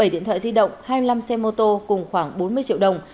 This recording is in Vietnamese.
bảy điện thoại di động hai mươi năm xe mô tô cùng khoảng bốn mươi triệu đồng